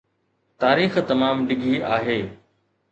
تاريخ تمام ڊگهي آهي